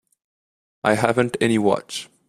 I haven't any watch.